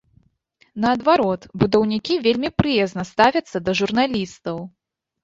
Наадварот, будаўнікі вельмі прыязна ставяцца да журналістаў.